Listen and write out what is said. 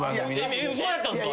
嘘やったんすか？